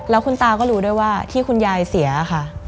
แล้วคุณตาก็รู้ด้วยว่าที่คุณยายเสียค่ะ